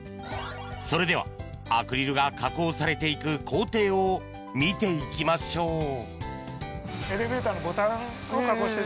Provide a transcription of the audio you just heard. それではアクリルが加工されていく工程を見ていきましょう。